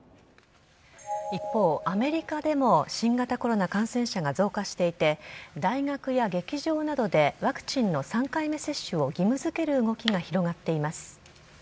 一方、アメリカでも新型コロナ感染者が増加していて大学や劇場などでワクチンの３回目接種を義務付ける動きが広がっています。